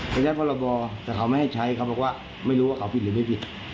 เขาใช้พรบแต่เขาไม่ให้ใช้เขาบอกว่าไม่รู้ว่าเขาผิดหรือไม่ผิด